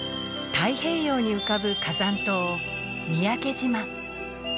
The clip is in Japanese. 太平洋に浮かぶ火山島三宅島。